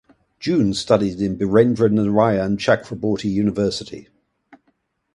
Joon studied in Birendra Narayan Chakraborty University.